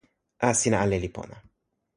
a, sina ale li pona.